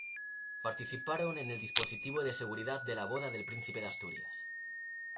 Participaron en el dispositivo de seguridad de la boda del Príncipe de Asturias.